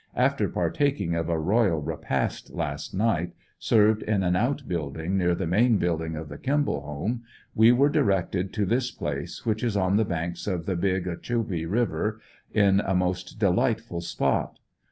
After partak ing of a royal repast last night, served in an out building near the main building of the Kimball home, we were directed to this place which is on the banks of the Big Ogechee river, in a most delightful spot.